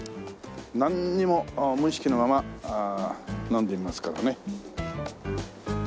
なんにも無意識のまま飲んでみますからね。